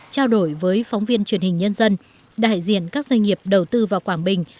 trao đổi với phóng viên truyền hình nhân dân đại diện các doanh nghiệp đầu tư vào quảng bình